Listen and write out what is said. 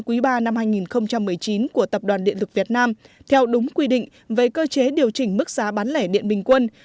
quý ba năm hai nghìn một mươi chín của tập đoàn điện lực việt nam theo đúng quy định về cơ chế điều chỉnh mức giá bán lẻ điện bình quân